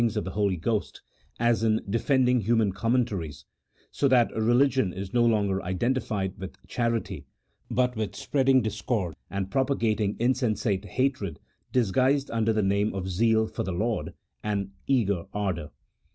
of the Holy Ghost, as in defending human commentaries, so that religion is no longer identified with charity, "but with spreading discord and propagating i ■ate hatred disguised under the name of zeal for the Lord, and eager ardour.